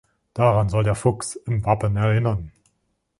Daran soll der Fuchs im Wappen erinnern.